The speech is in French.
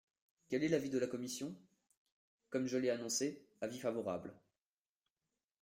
Quel est l’avis de la commission ? Comme je l’ai annoncé, avis favorable.